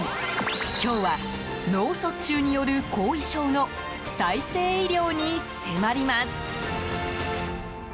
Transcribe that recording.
今日は脳卒中による後遺症の再生医療に迫ります。